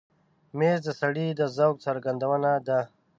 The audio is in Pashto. مېز د سړي د ذوق څرګندونه ده.